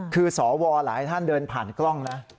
คือสวหลายท่านเดินผ่านกล้องนะ